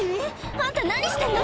あんた何してんの？